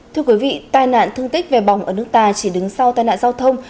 thưa quý vị tai nạn thương tích về bỏng ở nước ta chỉ đứng sau tai nạn giao thông